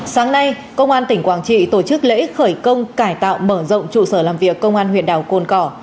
sáng nay công an tỉnh quảng trị tổ chức lễ khởi công cải tạo mở rộng trụ sở làm việc công an huyện đảo cồn cỏ